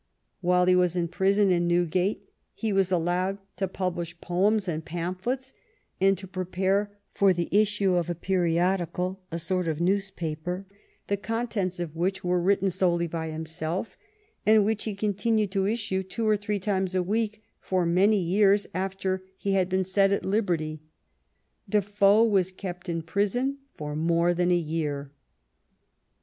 While he was a pris oner in Newgate he was allowed to publish poems and pamphlets, and to prepare for the issue of a periodical, a sort of newspaper, the contents of which were written solely by himself, and which he continued to issue* two or three times a week for many years after he had been set at liberty. Defoe was kept in prison for more than a year.